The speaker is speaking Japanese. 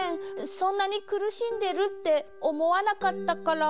そんなにくるしんでるっておもわなかったから。